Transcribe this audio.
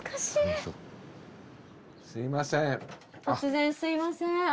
突然すいません。